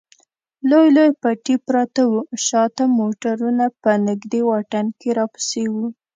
لوی لوی پټي پراته و، شا ته موټرونه په نږدې واټن کې راپسې و.